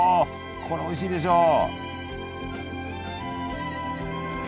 これおいしいでしょう！